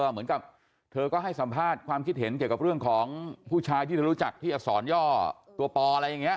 เหมือนกับเธอก็ให้สัมภาษณ์ความคิดเห็นเกี่ยวกับเรื่องของผู้ชายที่เธอรู้จักที่อักษรย่อตัวปออะไรอย่างนี้